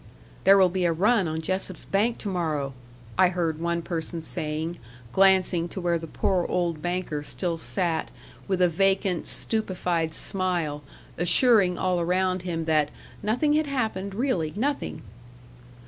"There will be a run on Jessop's bank to morrow," I heard one person saying; glancing to where the poor old banker still sat, with a vacant, stupefied smile, assuring all around him that "nothing had happened; really, nothing."